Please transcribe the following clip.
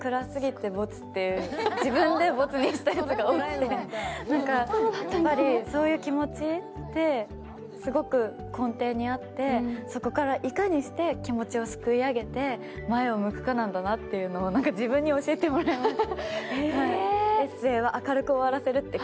自分でボツにしたやつが多くてそういう気持ちってすごく根底にあって、そこからいかにして気持ちをすくい上げて前を向くかなんだなというのを自分に教えてもらいました。